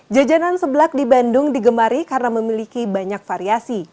jajanan sebelak di bandung digemari karena memiliki banyak variasi